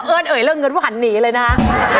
เอิ้ดเอ๋ยเริ่มเงินผู้หันนีเลยนะฮะ